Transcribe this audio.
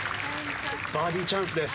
バーディーチャンスです。